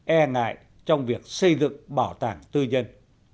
e ngại trong việc xây dựng bảo tàng tư nhân